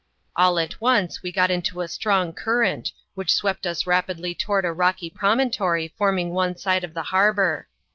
All at once we got into a strong current, which swept us rapidly toward a rocky promontory forming one side of the harbour.